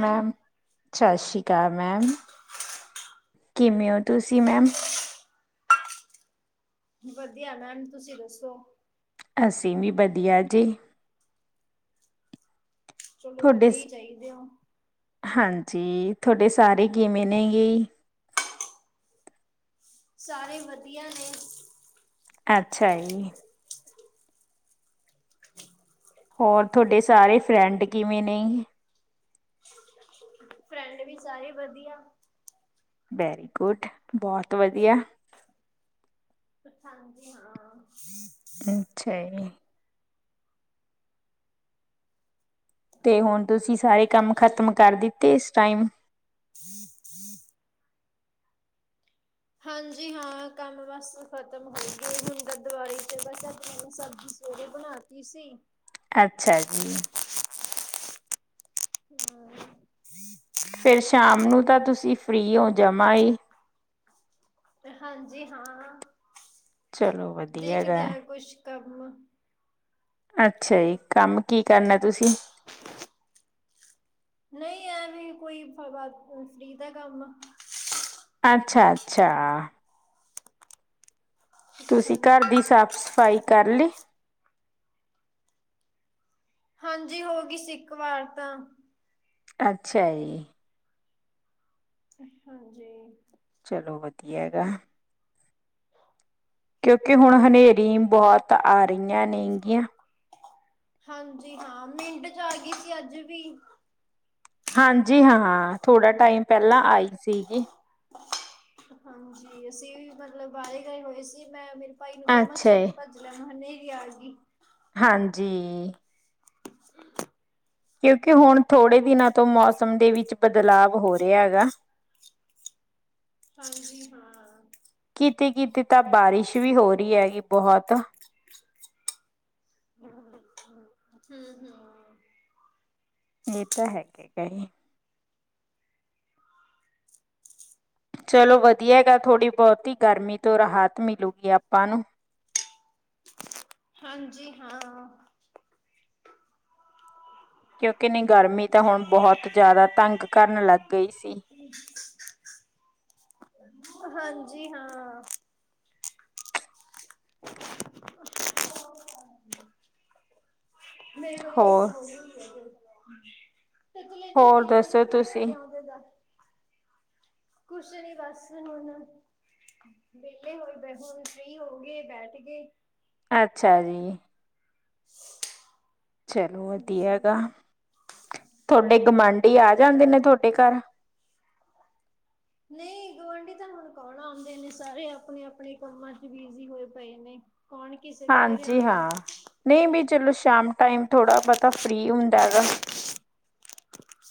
Ma'am, ਸਤਿ ਸ੍ਰੀ ਅਕਾਲ ਮੈਮ, ਕਿਵੇਂ ਓ? ਤੁਸੀ ਮੈਮ। ਵਧੀਆ ਮੈਮ ਤੁਸੀਂ ਦੱਸੋ। ਅਸੀਂ ਵੀ ਵਧੀਆ ਜੀ। ਚਲੋ ਤੁਹਾਡੇ ਵਧੀਆ ਸ- ਈ ਚਾਹੀਦੇ ਓ। ਹਾਂਜੀ, ਥੋਡੇ ਸਾਰੇ ਕਿਵੇਂ ਨੇ ਗੇ। ਸਾਰੇ ਵਧੀਆ ਨੇ। ਅੱਛਾ ਜੀ। ਹੋਰ ਥੋਡੇ ਸਾਰੇ ਫਰੈਂਡ ਕਿਵੇਂ ਨੇ? ਫਰੈਂਡ ਵੀ ਸਾਰੇ ਵਧੀਆ। ਵੈਰੀ ਗੁੱਡ, ਬਹੁਤ ਵਧੀਆ। ਹਾਂਜੀ ਹਾਂ। ਅੱਛਾ ਜੀ। ਤੇ ਹੁਣ ਤੁਸੀਂ ਸਾਰੇ ਕੰਮ ਖਤਮ ਕਰ ਦਿੱਤੇ ਇਸ ਟਾਈਮ। [inaudible] ਹਾਂਜੀ ਹਾਂ ਕੰਮ ਬਸ ਖਤਮ ਹੋ ਗੇ। ਹੁਣ ਹੁਰਦੁਆਰੇ ਭੇਜਣੇ ਆ ਸ਼ਬਜੀ। ਉਦੋ ਬਣਾਤੀ ਸੀ। ਅੱਛਾ ਜੀ।। [inaudible] ਫਿਰ ਸ਼ਾਮ ਨੂੰ ਤਾਂ ਤੁਸੀਂ ਫਰੀ ਓ ਜਵਾ ਈ। ਹਾਂਜੀ ਹਾਂ, ਚਲੋ ਵਧੀਆ ਗਾ ਦੇਖਦੇ ਆ ਕੁਛ ਕਰਨਾ। ਅੱਛਾ ਜੀ, ਕੰਮ ਕੀ ਕਰਨਾ ਤੁਸੀਂ? ਨਹੀਂ, ਐ ਵੀ ਕੋਈ ਫਰੀ ਦਾ ਕੰਮ। ਅੱਛਾ - ਅੱਛਾ। ਤੁਸੀਂ ਹਾਂਜੀ ਘਰ ਦੀ ਸਾਫ਼ - ਸਫ਼ਾਈ ਕਰ ਲੀ। ਹਾਂਜੀ ਹੋ ਗਈ ਸੀ। ਇੱਕ ਵਾਰ ਤਾਂ। ਅੱਛਾ ਜੀ। ਹਾਂਜੀ। ਚਲੋ ਵਧੀਆ ਗਾ। ਕਿਉਂਕਿ ਹੁਣ ਹਨੇਰੀ ਬਹੁਤ ਆ ਰਹੀਆਂ ਨੇ ਗੀਆ। ਹਾਂਜੀ ਹਾਂ, ਮਿੰਟ 'ਚ ਆ ਗਈ ਸੀ ਅੱਜ ਵੀ। ਹਾਂਜੀ ਹਾਂ, ਥੋੜਾ ਟਾਇਮ ਪਹਿਲਾਂ ਆਈ ਸੀਗੀ। ਹਾਂਜੀ, ਅਸੀਂ ਵੀ ਮਤਲਬ ਬਾਹਰੇ ਗਏ ਹੋਏ ਸੀ। ਮੈਂ ਮੇਰੇ ਭਾਈ ਨੂੰ ਕਿਹਾ ਮੈਂ ਅੱਛਾ ਛੇਤੀ ਜੀ ਭੱਜ। ਮੈਂ ਕਿਹਾ ਹਨੇਰੀ ਵੀ ਆ ਗੀ। ਹਾਂਜੀ। [inaudible] ਕਿਉਂਕਿ ਹੁਣ ਥੋੜੇ ਦਿਨਾਂ ਤੋਂ ਮੌਸਮ ਦੇ ਵਿੱਚ ਬਦਲਾਵ ਹੋ ਰਿਹਾ ਗਾ। [inaudible] ਹਾਂਜੀ ਹਾਂ। ਕਿਤੇ-ਕਿਤੇ ਤਾਂ ਵਾਰਿਸ਼ ਵੀ ਹੋ ਰਹੀ ਆ ਗੀ ਬਹੁਤ। ਹੂੰ-ਹੂੰ ਇਹ ਤਾਂ ਹੈਗਾ ਈ ਏ ਜੀ। ਚਲੋ ਵਧੀਆ ਗਾ। ਥੋੜ੍ਹੀ ਬਹੁਤੀ ਗਰਮੀ ਤੋਂ ਰਾਹਤ ਮਿਲੂਗੀ ਆਪਾਂ ਨੂੰ। ਹਾਂਜੀ ਹਾਂ। ਕਿਉਕਿ ਨੀ ਗਰਮੀ ਤਾਂ ਹੁਣ ਬਹੁਤ ਜਿਆਦਾ ਤੰਗ ਕਰਨ ਲੱਗ ਗਈ ਸੀ। ਹਾਂਜੀ ਹਾਂ। [unintelligible] ਮੇਰੇ ਕੋਲ ਵੀ ਹੋਰ ਥੋੜੇ ਈ ਰਹਿ ਗੇ, ਹਾਂਜੀ ਤੇਦ ਲ ਨ ਹੋਰ ਹੁੰਦੀਆਂ ਦੱਸੋ ਤੁਸੀਂ ਕਿਉਦੇ ਦਾ ਕੁਛ ਨੀ ਬਸ ਹੁਣ। ਵਿਹਲੇ ਹੋਏ ਬ ਹੁਣ ਫਰੀ ਹੋ ਗਏ ਬੈਠ ਗਏ। ਅੱਛਾ ਜੀ। [unintelligible] ਚਲੋ ਵਧੀਆ ਹਾਂਜੀ ਗਾ, ਥੋਡੇ ਗੁਆਂਢੀ ਆ ਜਾਂਦੇ ਨੇ ਤੁਹਾਡੇ ਘਰ। ਨਹੀਂ ਗੁਆਂਢੀ ਤਾਂ ਹੁਣ ਕੌਣ ਆਉਂਦੇ ਨੇ ਸਾਰੇ ਆਪਣੇ-ਆਪਣੇ ਕੰਮਾਂ 'ਚ ਬਿਜ਼ੀ ਹੋਏ ਪਏ ਨੇ। ਕੌਣ ਕਿਸੇ ਦੇ ਘਰੇ ਹਾਂਜੀ ਆਉਂਦਾ। ਹਾਂ ਨਹੀਂ ਬ ਚਲੋ ਸ਼ਾਮ ਟਾਈਮ ਥੋੜ੍ਹਾ ਬਹੁਤਾ ਫਰੀ ਹੁੰਦਾ ਗਾ।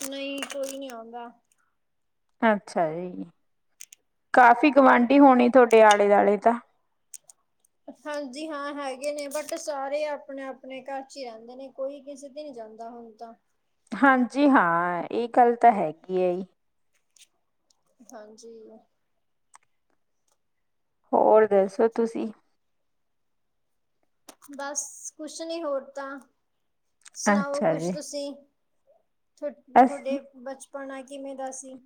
ਨਹੀਂ ਕੋਈ ਨਹੀਂ ਆਉਂਦਾ। ਅੱਛਾ ਜੀ। ਕਾਫ਼ੀ ਗੁਆਂਢੀ ਹੋਣੇ ਤੁਹਾਡੇ ਆਲੇ ਦਾਲੇ ਤਾਂ। ਹਾਂਜੀ ਹਾਂ ਹੈਗੇ ਨੇ ਬਟ ਸਾਰੇ ਆਪਣੇ-ਆਪਣੇ ਘਰ 'ਚ ਹੀ ਰਹਿੰਦੇ ਨੇ। ਕੋਈ ਕਿਸੇ ਤੇ ਨਹੀਂ ਜਾਂਦਾ ਹੁਣ ਤਾਂ। ਹਾਂਜੀ ਹਾਂ ਇਹ ਗੱਲ ਤਾਂ ਹੈਗੀ ਹੈ ਈ। ਹਾਂਜੀ। ਹੋਰ ਦੱਸੋ ਤੁਸੀਂ? ਬਸ ਕੁਛ ਨੀ ਹੋਰ ਤਾਂ ਸੁਣਾਓ ਅੱਛਾ ਕੁਛ ਜੀ ਤੁਸੀਂ। ਥੁ ਅਸੀਂ ਥੋਡੇ ਬਚਪਨ ਆ ਕਿਵੇਂ ਦਾ ਸੀ।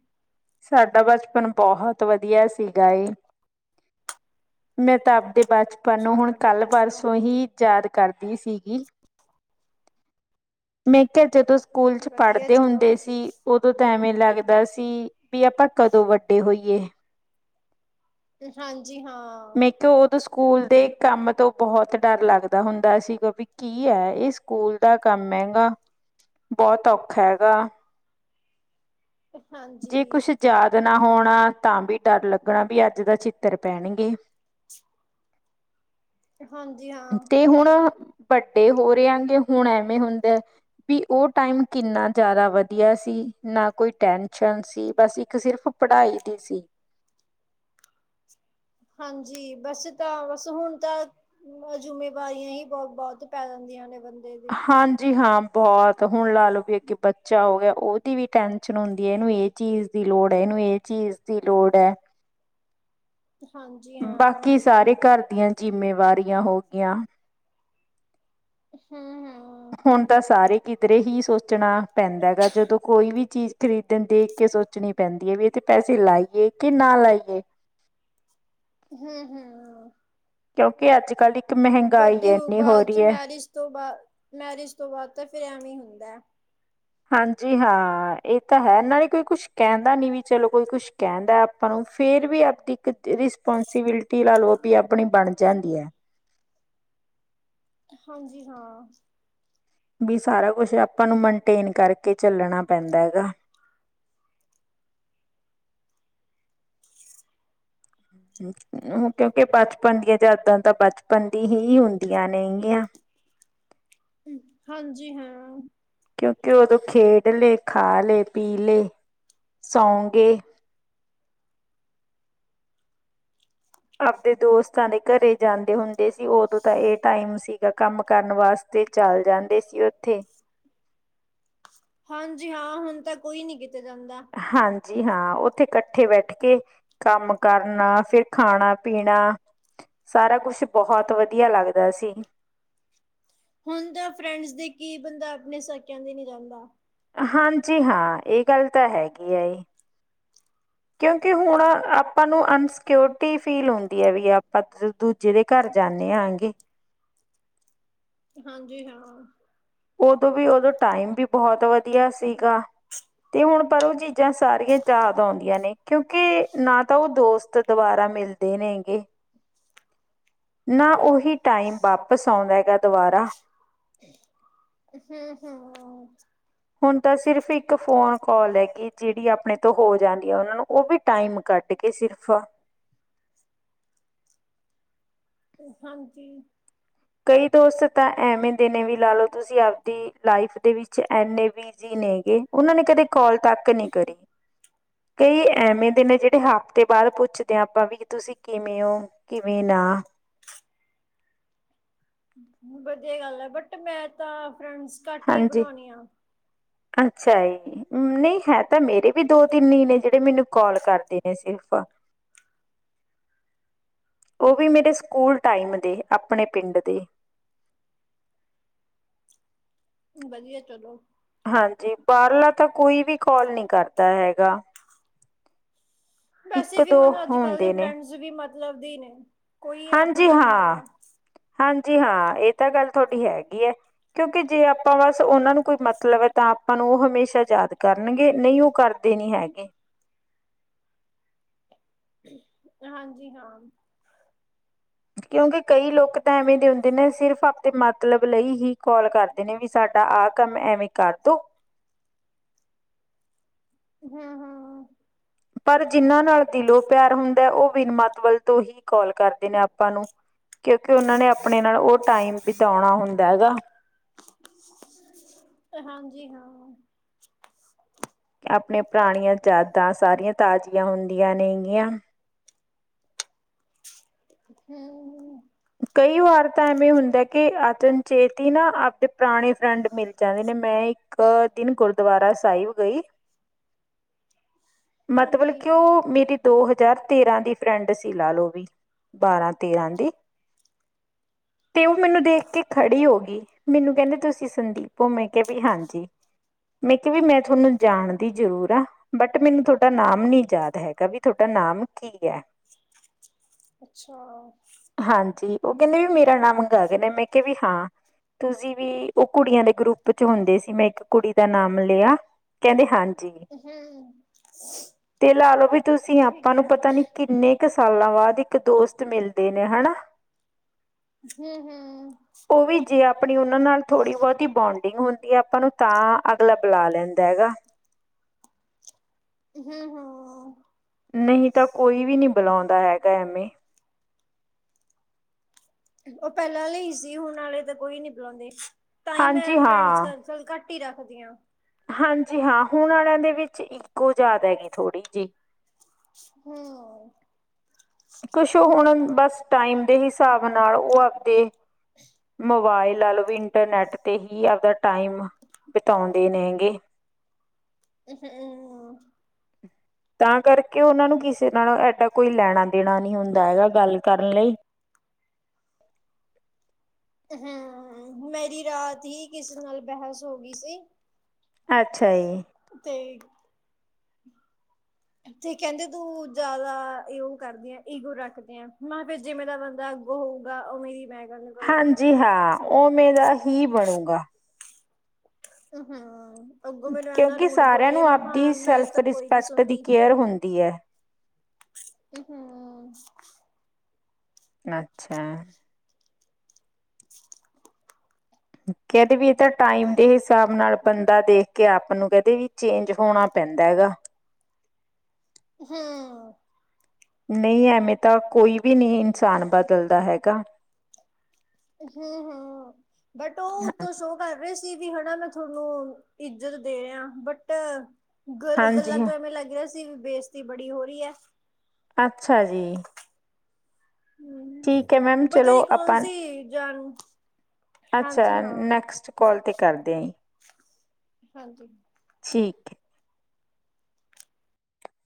ਸਾਡਾ ਬਚਪਨ ਬਹੁਤ ਵਧੀਆ ਸੀਗਾ ਏ। ਮੈਂ ਤਾਂ ਆਪਦੇ ਬਚਪਨ ਨੂੰ ਅੱਛਾ ਹੁਣ ਕੱਲ੍ਹ ਵਧੀਆ ਚਲੋ ਪਰਸੋਂ ਹੀ ਕਰਦੀ ਸੀਗੀ। [unintelligible] ਮੈਂ ਕਿਹਾ ਜਦੋਂ ਸਕੂਲ ਚ ਵਧੀਆ ਪੜ੍ਹਦੇ ਚਲੋ ਹੁੰਦੇ ਸੀ ਉ- ਦੋਂ ਤਾਂ ਐਵੇਂ ਲੱਗਦਾ ਸੀ ਵੀ ਆਪਾਂ ਕਦੋਂ ਵੱਡੇ ਹੋਈਏ। ਹਾਂਜੀ ਹਾਂ। ਮੇ ਕਿਹਾ ਉਹਦੋ ਸਕੂਲ ਦੇ ਕੰਮ ਤੋਂ ਬਹੁਤ ਡਰ ਲੱਗਦਾ ਹੁੰਦਾ ਸੀਗਾ ਵੀ ਕੀ ਐ, ਇਹ ਸਕੂਲ ਦਾ ਕੰਮ ਐ। ਬਹੁਤ ਔਖਾ ਹੈਗਾ। ਹਾਂਜੀ ਜੇ ਕੁਛ ਯਾਦ ਨਾ ਹੋਣਾ ਤਾਂ ਵੀ ਡਰ ਲੱਗਣਾ ਵੀ ਅੱਜ ਦਾ ਛਿੱਤਰ ਪੈਣਗੇ। ਹਾਂਜੀ ਹਾਂ ਤੇ ਹੁਣ ਵੱਡੇ ਹੋ ਰਹੇ ਆਗੇ ਹੁਣ ਐਵੇਂ ਹੁੰਦਾ। ਵੀ ਉਹ ਟਾਈਮ ਕਿੰਨਾ ਜ਼ਿਆਦਾ ਵਧੀਆ ਸੀ ਨਾ ਕੋਈ ਟੈਨ- ਸ਼ਨ ਸੀ ਬਸ ਇੱਕ ਸਿਰਫ ਪੜ੍ਹਾਈ ਦੀ ਸੀ। ਹਾਂਜੀ ਬਸ ਤਾਂ ਬਸ ਹੁਣ ਤਾਂ ਜਿੰਮੇਵਾਰੀਆਂ ਹੀ ਬਹੁਤ ਪੈ ਜਾਂਦੀਆਂ ਬੰਦੇ ਤੇ। ਹਾਂਜੀ ਹਾਂ ਬਹੁਤ ਹੁਣ ਲਾ ਲਓ ਵੀ ਅੱਗੇ ਬੱਚਾ ਹੋ ਗਿਆ ਉਹਦੀ ਵੀ ਹੁੰਦੀ ਹੈ ਇਹਨੂੰ ਏਜ ਚੀਜ਼ ਦੀ ਲੋੜ ਐ, ਇਹਨੂੰ ਇਹ ਚੀਜ਼ ਦੀ ਲੋੜ ਐ। ਹਾਂਜੀ। ਹਾਂ ਬਾਕੀ ਸਾਰੇ ਘਰ ਦੀਆਂ ਜਿੰਮੇਵਾਰੀਆਂ ਹੋਗੀਆਂ। ਹਮ-ਹਮ। ਹੁਣ ਤਾਂ ਸਾਰੇ ਕਿਧਰੇ ਹੀ ਸੋਚਣਾ ਪੈਂਦਾ ਗਾ ਜਦੋਂ ਕੋਈ ਚੀਜ਼ ਖਰੀਦਣ ਦੇਖ ਕੇ ਸੋਚਣੀ ਪੈਂਦੀ ਹੈ, ਵੀ ਇੱਥੇ ਪੈਸੇ ਲਾਈਏ ਕਿ ਨਾ ਲਾਈਏ। ਹਮ-ਹਮਮ। ਕਿਉਂਕਿ ਅੱਜ -ਕੱਲ੍ਹ ਇੱਕ ਮਹਿੰਗਾਈ ਵੱਡੇ ਹੋਣ ਇੰਨੀ ਹੋ ਬਾਅਦ 'ਚ ਰਹੀ ਹੈ। ਮੈਰਿਜ ਤੋਂ ਬਾ ਮੈਰਿਜ ਤੋਂ ਬਾਅਦ ਤਾਂ ਫਿਰ ਐਵੇਂ ਹੁੰਦਾ ਐ। ਹਾਂਜੀ ਹਾਂ ਇਹ ਤਾਂ ਹੈ ਨਾਲੇ ਕੋਈ ਕੁਛ ਕਹਿੰਦਾ ਨੀਂ ਵੀ ਚਲੋ ਕੋਈ ਕੁਛ ਕਹਿੰਦਾ। ਆਪਾਂ ਨੂੰ ਫੇਰ ਵੀ ਆਪਦੀ ਇੱਕ ਰਿਸਪੋਂਸੀਬਿਲਿਟੀ ਲਾ ਲਓ ਵੀ ਆਪਣੀ ਬਣ ਜਾਂਦੀ ਹੈ। ਹਾਂਜੀ ਹਾਂ। ਵੀ ਸਾਰਾ ਕੁਛ ਆਪਾਂ ਨੂੰ ਮਨਟੇਨ ਕਰਕੇ ਚੱਲਣਾ ਪੈਂਦਾ ਗਾ। ਕਿਉਂਕਿ ਬਚਪਨ ਦੀਆਂ ਯਾਦਾਂ ਤਾਂ ਬਚਪਨ ਦੀ ਹੀ ਹੁੰਦੀਆਂ ਨੇ ਗੀਆਂ। ਹਾਂਜੀ ਹਾਂ। ਕਿਉਂਕਿ ਉਦੋਂ ਖੇਡ ਲਏ ਖਾ ਲਏ ਪੀ ਲਏ ਸੌਂ ਗਏ। ਆਪਦੇ ਦੋਸਤਾਂ ਦੇ ਘਰੇ ਜਾਂਦੇ ਹੁੰਦੇ ਸੀ ਉਦੋਂ ਤਾਂ ਇਹ ਟਾਈਮ ਸੀਗਾ ਕੰਮ ਕਰਨ ਬਸ। ਤੇ ਚੱਲ ਜਾਂਦੇ ਸੀ ਉੱਥੇ। ਹਾਂਜੀ ਹਾਂ ਹੁਣ ਤਾਂ ਕੋਈ ਨੀ ਕਿਤੇ ਜਾਂਦਾ। ਹਾਂਜੀ ਹਾਂ, ਉੱਥੇ ਇਕੱਠੇ ਬੈਠ ਕੇ ਕੰਮ ਕਰਨਾ ਫਿਰ ਖਾਣਾ ਪੀਣਾ। ਸਾਰਾ ਕੁਛ ਬਹੁਤ ਵਧੀਆ ਲੱਗਦਾ ਸੀ। ਹੁਣ ਤਾਂ ਫਰੈਂਡਸ ਦੇ ਕੀ ਬੰਦਾ ਆਪਣੇ ਸਕਿਆਂ ਦੇ ਨੀ ਜਾਂਦਾ। ਹਾਂਜੀ ਹਾਂ ਇਹ ਗੱਲ ਤਾਂ ਹੈਗੀ ਐ। ਕਿਉਂਕਿ ਹੁਣ ਆਪਾਂ ਨੂੰ ਅਨਸਿਊਕਰਟੀ ਫੀਲ ਹੁੰਦੀ ਐ ਵੀ ਆਪਾਂ ਦੂ- ਦੂ। ਜਿਹਦੇ ਘਰ ਜਾਂਦੇ ਆਂਗੇ। ਹਾਂਜੀ ਹਾਂ। ਉਦੋਂ ਵੀ ਉਦੋਂ, ਟਾਈਮ ਵੀ ਬਹੁਤ ਵਧੀਆ ਸੀਗਾ। ਤੇ ਹੁਣ ਪਰ ਉਹ ਚੀਜ਼ਾਂ ਸਾਰੀਆਂ ਯਾਦ ਆਉਂਦੀਆਂ ਨੇ ਕਿਉਂਕਿ ਨਾ ਤਾਂ ਉਹ ਦੋਸਤ ਦੁਬਾਰਾ ਮਿਲ। ਦੇ ਨੇ ਗੇ। ਨਾ ਉਹੀ ਟਾਈਮ ਵਾਪਿਸ ਆਉਂਦਾ ਗਾ ਦੁਬਾਰਾ। ਹੁੰ- ਹੁੰ। ਹੁਣ ਤਾਂ ਸਿਰਫ਼ ਇੱਕ ਫੋਨ ਕੋਲ ਹੈਗੀ ਜਿਹੜੀ ਆਪਣੇ ਤੋਂ ਹੋ ਜਾਂਦੀ ਆ ਉਹਨਾਂ ਨੂੰ ਉਹ ਵੀ ਟਾਈਮ ਕੱਢ ਕੇ ਸਿਰਫ਼। ਹਾਂਜੀ। ਕਈ ਦੋਸਤ ਤਾਂ ਐਵੇਂ ਦੇ ਨੇ ਵੀ ਲਾ ਲਓ ਤੁਸੀਂ ਆਪਦੀ ਲਾਈਫ਼ ਦੇ ਵਿੱਚ ਐੰਨੇ ਵੀ ਜੀਨੇਗੇ ਉਹਨਾਂ ਨੇ ਕਦੇ ਕੋਲ ਤੱਕ ਨੀ ਕਰੀ। ਕਈ ਐਵੇਂ ਦੇ ਨੇ ਜਿਹੜੇ ਹਫ਼ਤੇ ਬਾਅਦ ਪੁੱਛਦੇ ਆ ਆਪਾਂ ਵੀ ਤੁਸੀਂ ਕਿਵੇਂ ਹੋ? ਕਿਵੇਂ ਨਾ ਵਧੀਆ ਗੱਲ ਆ ਬਟ ਮੈਂ ਤਾਂ ਫਰੈਂਡਸ ਘੱਟ ਹੀ ਹਾਂਜੀ ਬਣਾਉਨੀਂ ਆ। ਅੱਛਾ ਏ। ਨਹੀਂ ਹੈ ਤਾਂ ਮੇਰੇ ਵੀ ਦੋ-ਤਿੰਨ ਨੇ ਜਿਹੜੇ ਮੈਨੂੰ ਕੋਲ ਕਰਦੇ ਨੇ ਸਿਰਫ਼। [inaudible] ਉਹ ਵੀ ਮੇਰੇ ਸਕੂਲ ਟਾਈਮ ਦੇ ਆਪਣੇ ਪਿੰਡ ਦੇ। ਵਧੀਆ ਚਲੋ। ਹਾਂਜੀ ਬਾਹਰਲਾ ਤਾਂ ਕੋਈ ਵੀ ਕੋਲ ਨੀ ਕਰਦਾ ਹੈਗਾ। ਵੈਸੇ ਇੱਕ ਵੀ ਦੋ ਹੁਣ ਅੱਜ-ਕੱਲ ਦੇ ਹੁੰਦੇ ਨੇ ਫਰੈਂਡਸ ਵੀ ਮਤਲਬ ਦੇ ਨੇ। ਕੋਈ ਇਹ ਹਾਂਜੀ ਆਪਣਾ ਨੀ ਹਾਂ ਹੈਗਾ ਹਾਂਜੀ ਹਾਂ ਇਹ ਤਾਂ ਗੱਲ ਤੁਹਾਡੀ ਹੈਗੀ ਐ। ਕਿਉਕਿ ਜੇ ਆਪਾਂ ਬਸ ਉਹਨਾਂ ਨੂੰ ਕੋਈ ਮਤਲਬ ਐ ਤਾਂ ਆਪਾਂ ਨੂੰ ਉਹ ਹਮੇਸ਼ਾ ਯਾਦ ਕਰਨਗੇ ਨਹੀਂ ਉਹ ਕਰ ਦੇ ਨਹੀਂ ਹੈਗੇ। ਹਾਂਜੀ ਹਾਂ। ਕਿਉਂਕਿ ਕਈ ਲੋਕ ਤਾਂ ਐਵੇਂ ਦੇ ਹੁੰਦੇ ਨੇ ਸਿਰਫ਼ ਆਪਣੇ ਮਤਲਬ ਲਈ ਹੀ ਕੋਲ ਕਰ- ਕਰਦੇ ਨੇ ਵੀ ਸਾਡਾ ਆਹ ਕੰਮ ਐਵੇਂ ਕਰਦੋ। ਹੂ-ਹੂ ਪਰ ਜਿੰਨਾਂ ਨਾਲ ਦਿਲੋਂ ਪਿਆਰ ਹੁੰਦਾ ਉਹ ਵਿਨ ਮਤਲਬ ਤੋਂ ਹੀ ਕੋਲ ਕਰਦੇ ਆਪਾਂ ਨੂੰ ਕਿਉਂਕਿ ਨੇ ਆਪਣੇ ਨਾਲ ਉਹ ਟਾਈਮ ਬਿਤਾਉਣਾ ਹੁੰਦਾ ਗਾ। ਹਾਂਜੀ ਹਾਂ। ਆਪਣੀਆਂ ਪੁਰਾਣੀਆਂ ਯਾਦਾਂ ਸਾਰੀਆਂ ਤਾਜ਼ੀਆਂ ਹੁੰਦੀਆਂ ਨੇਗੀਆਂ। ਹੂ - ਹੂ ਕਈ ਵਾਰ ਐਵੇਂ ਹੁੰਦਾ ਕਿ ਅਚਨਚੇਤ ਹੀ ਨਾ ਆਪਦੇ ਪੁਰਾਣੇ ਫਰੈਂਡ ਮਿਲ ਜਾਂਦੇ ਨੇ ਮੈਂ ਇੱਕ ਦਿਨ ਗੁਰ- ਦੁਬਾਰਾ ਸਾਇਬ ਗਈ। ਮਤਲਬ ਹਾਂਜੀ ਕਿ ਓਹ ਮੇਰੀ ਦੋ ਹਜ਼ਾਰ ਤੇਰਾਂ ਦੀ ਫਰੈਂਡ ਸੀ ਲਾ ਲਓ ਵੀ ਬਾਰਾਂ-ਤੇਰਾਂ ਦੀ। ਤੇ ਉਹ ਮੈਨੂੰ ਦੇਖ ਕੇ ਖੜੀ ਹੋਗੀ ਮੈਨੂੰ ਕਹਿੰਦੀ ਤੁਸੀਂ ਸੰਦੀਪ ਪੋ ਉਹ। ਮੈਂ ਕਿਹਾ ਵੀ ਹਾਂਜੀ, ਮੈਂ ਕਿਹਾ ਵੀ ਮੈਂ ਤੁਹਾਨੂੰ ਜਾਣ ਦੀ ਜ਼ਰੂਰ ਆਂ। ਬਟ ਮੈਨੂੰ ਥੋਡਾ ਨਾਮ ਨੀ ਯਾਦ ਹੈਗਾ ਵੀ ਤੁਹਾਡਾ ਨਾਮ ਕੀ ਐ? ਅੱਛਾ। ਹਾਂਜੀ, ਉਹ ਕਹਿੰਦੇ ਵੀ ਮੇਰਾ ਨਾਂ ਗਗਨ ਆ ਮੈਂ ਕਿਹਾ ਵੀ ਹਾਂ ਤੁਸੀਂ ਵੀ ਉਹ ਕੁੜੀਆਂ ਦੇ ਗਰੁੱਪ 'ਚ' ਹੁੰਦੇ ਸੀ ਮੈਂ ਇੱਕ ਕੁੜੀ ਦਾ ਨਾਮ ਲਿਆ। ਕਹਿੰਦੇ ਹਾਂਜੀ। ਹਮ। ਤੇ ਲਾ ਲਓ ਵੀ ਤੁਸੀਂ ਆਪਾਂ ਠੀਕ ਨੂੰ ਹੈ ਪਤਾ ਨੀ ਕਿੰਨੇ ਕੁ ਸਾਲਾਂ ਬਾਅਦ ਇੱਕ ਦੋਸਤ ਮਿਲਦੇ ਨੇ ਹਨਾ। ਹਮ-ਹਮ ਉਹ ਵੀ ਜੇ ਆਪਣੀ ਉਹਨਾਂ ਨਾਲ ਥੋੜ੍ਹੀ, ਬਹੁਤੀ ਬੋਂਡਿੰਗ ਹੁੰਦੀ ਐ। ਆਪਾਂ ਨੂੰ ਤਾਂ ਅਗਲਾ ਬੁਲਾ ਲੈਂਦਾ ਹੈਗਾ। ਹਮ-ਹਮ ਨਹੀਂ ਤਾਂ ਕੋਈ ਵੀ ਨੀ ਬੁਲਾਉਂਦਾ ਹੈਗਾ ਐਮੇ। ਉਹ ਪਹਿਲਾਂ ਆਲੇ ਸੀ ਹੁਣ ਆਲੇ ਤਾਂ ਕੋਈ ਨੀ ਬੁਲਾਉਂਦੇ ਤਾਂ ਹੀ ਮੈਂ ਹਾਂਜੀ ਫਰੈਂਡ ਸਰਕਲ ਘੱਟ ਟੀ ਰੱਖਦੀਆਂ। ਹਾਂਜੀ-ਹਾਂ ਹੁਣ ਆਲਿਆਂ ਦੇ ਵਿੱਚ ਈਗੋ ਜਿਆਦਾ ਗੀ ਥੋੜ੍ਹੀ ਜੀ। ਹਮ ਕੁਛ ਹੁਣ ਬਸ ਟਾਈਮ ਦੇ ਹਿਸਾਬ ਨਾਲ ਉਹ ਆਬਦੇ ਮੋਬਾਇਲ ਲਾਓ ਵੀ ਇੰਟਰਨੈਟ ਤੇ ਹੀ ਆਬਦਾ ਟਾਈਮ ਬਿਤਾਉਂਦੇ ਨੇ ਗੇ। ਮ [unintelligible] ਤਾਂ ਕਰਕੇ ਉਹਨਾਂ ਨੂੰ ਕਿਸੇ ਨਾਲ ਐਡਾ ਕੋਈ ਲੈਣਾ ਦੇਣਾ ਨਹੀਂ ਹੁੰਦਾ ਹੈਗਾ ਗੱਲ ਕਰਨ ਲਈ। ਹਮ ਮੇਰੀ ਰਾਤ ਹੀ ਕਿਸੇ ਨਾਲ ਬਹਿਸ ਹੋ ਗਈ ਸੀ। ਅੱਛਾ ਜੀ। ਤੇ [inaudible] ਤੇ ਕਹਿੰਦੇ ਤੂੰ ਜ਼ਿਆਦਾ ਇਹੋ ਕਰਦੀ ਆ ਈਗੋ ਰੱਖਦੀ ਆਂ ਮੈਂ ਕਿਹਾ ਫਿਰ ਜਿੰਮੇ ਦਾ ਬੰਦਾ ਹੋਉ। ਉਹ ਹੋਊਗਾ ਉਮੇ ਦੀ ਮੈਂ ਗੱਲ ਕਰੂੰਗੀ। ਹਾਂਜੀ ਹਾਂ ਉਮੇ ਦਾ ਹੀ ਬਣੂਗਾ। ਹਮ ਅੱਗੋ ਮੈਨੂੰ ਇਨਾ ਕਿਉਂਕਿ ਰੂੜ ਸਾਰਿਆਂ ਬੋਲੇ ਮੈਂ ਕਿਹਾ ਮੈਂ ਤਾਂ ਕੋਈ ਨੀ ਸੁਣਦੀ। ਫਿਰ ਹੁੰਦੀ ਐ। ਹਮ-ਹਮ। ਅੱਛਾ। ਕਹਿੰਦੇ ਵੀ ਇਹ ਤਾਂ ਟਾਈਮ ਦੇ ਹਿਸਾਬ ਨਾਲ ਬੰਦਾ ਦੇਖ ਕੇ ਆਪ ਨੂੰ ਕਹਿੰਦੇ ਵੀ ਚੇਂਜ ਹੋਣਾ ਪੈਂਦਾ ਗਾ। ਹਮ। ਨਹੀਂ ਐਵੇਂ ਤਾਂ ਕੋਈ ਵੀ ਨੀ ਇਨਸਾਨ ਬਦਲਦਾ ਹੈਗਾ। ਹਮ-ਹਮ, ਬਟ ਉਹ ਉੱਤੋ ਸੋ ਕਰ ਰਹੇ ਸੀ ਵੀ ਹਨਾ ਨਾ ਧੋਨੂੰ, ਇੱਜਤ ਦੇ ਰਹੇ ਆ, ਬਟ ਗ-ਗੱਲਾਂ ਹਾਂਜੀ ਤੋਂ ਐਵੇਂ ਲੱਗ ਰਿਹਾ ਸੀ ਵੀ ਬੇਇਜ਼ਤੀ ਬੜੀ ਹੋ ਰਹੀ ਐ। ਅੱਛਾ ਜੀ। ਹਮ, ਠੀਕ ਹੈ ਮੈਮ ਪਤਾ ਚਲੋ ਹੀ ਕੌਣ ਆਪਾਂ ਸੀ ਜਾਣੂ? ਅੱਛਾ, ਨੈਕਸਟ ਕਾਲ ਤੇ ਕਰਦੇ ਆ ਜੀ। ਹਾਂਜੀ। ਠੀਕ ਐ।